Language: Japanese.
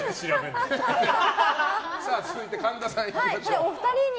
続いて、神田さんいきましょう。